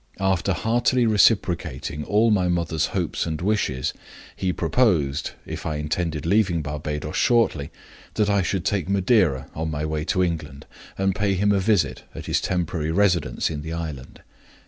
After heartily reciprocating all my mother's hopes and wishes, he proposed (if I intended leaving Barbadoes shortly) that I should take Madeira on my way to England, and pay him a visit at his temporary residence in the island.